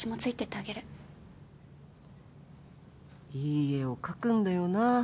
いい絵を描くんだよなぁ